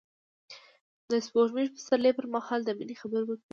هغه د سپوږمیز پسرلی پر مهال د مینې خبرې وکړې.